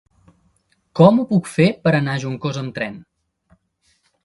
Com ho puc fer per anar a Juncosa amb tren?